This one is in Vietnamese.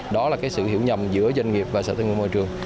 đó là sự hiểu nhầm giữa doanh nghiệp và sở tương ương hội trường